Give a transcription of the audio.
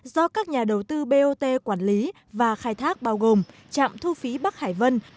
do các nhà đầu tư bot quản lý và khai thác bao gồm trạm thu phí bắc hải vân